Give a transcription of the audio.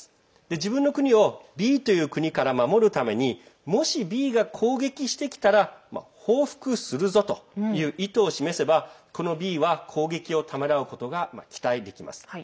自分の国をＢという国から守るためにもしＢが攻撃してきたら報復するぞという意図を示せばこのＢは攻撃をためらうことが期待できます。